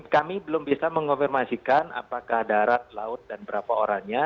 kami belum bisa mengonfirmasikan apakah darat laut dan berapa orangnya